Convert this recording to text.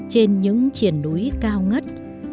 trên những triển núi cao ngất